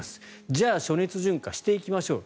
じゃあ暑熱順化していきましょう。